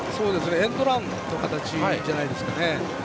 エンドランの形じゃないですかね。